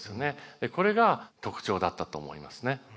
これが特徴だったと思いますね。